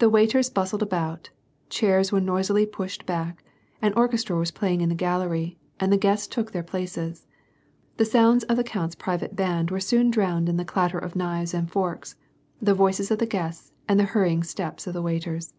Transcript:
The waiters bustled about, chairs were noisily pushed back, an orchestra was playing in the gallery, and the guests took their places. The sounds of the count's private band were soon drowned in the clatter of knives and forks, the voices of the guests, and the hurrying steps of the waiters.